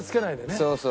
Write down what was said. そうそう。